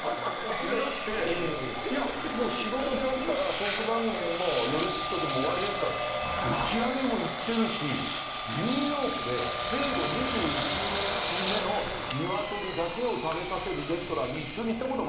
だって仕事で会ったらトーク番組『夜ヒット』でもう終わりですから打ち上げも行ってるしニューヨークで生後２１日目の鶏だけを食べさせるレストランに一緒に行ったこともあるんですから。